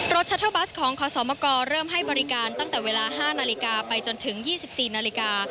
ชัตเทอร์บัสของขอสมกรเริ่มให้บริการตั้งแต่เวลา๕นาฬิกาไปจนถึง๒๔นาฬิกา